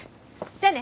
じゃあね。